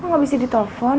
kok gak bisa di telpon